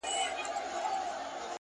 هره تجربه د فکر نوی رنګ دی!